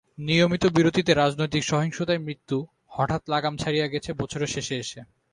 নিয়মিত বিরতিতে রাজনৈতিক সহিংসতায় মৃত্যু হঠাৎ লাগাম ছাড়িয়ে গেছে বছরের শেষে এসে।